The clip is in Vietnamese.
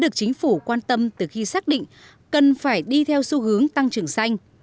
được chính phủ quan tâm từ khi xác định cần phải đi theo xu hướng tăng trưởng xanh